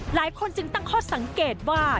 หลายคนจึงตั้งข้อสังเกตว่า